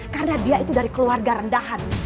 karena dia itu dari keluarga rendahan